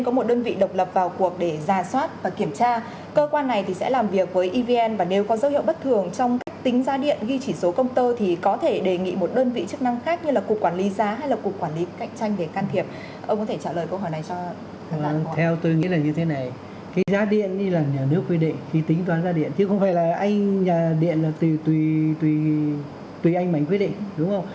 chứ không phải là anh nhà điện là tùy anh mình quyết định đúng không